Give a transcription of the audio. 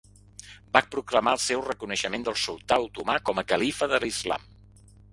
Va proclamar el seu reconeixement del sultà otomà com a califa de l'islam.